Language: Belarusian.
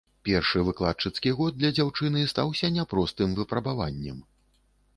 Першы выкладчыцкі год для дзяўчыны стаўся няпростым выпрабаваннем.